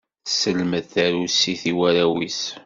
Tesselmed tarusit i warraw-is.